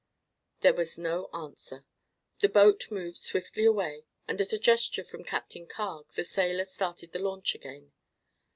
There was no answer. The boat moved swiftly away and at a gesture from Captain Carg the sailor started the launch again.